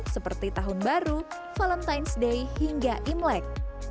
seperti tahun baru valentine's day hingga imlek